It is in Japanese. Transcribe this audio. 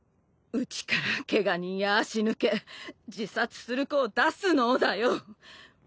うちからケガ人や足抜け自殺する子を出すのをだよ。